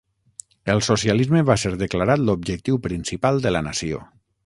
El socialisme va ser declarat l'objectiu principal de la nació.